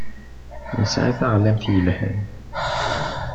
Nesɛa taɣlamt yelhan.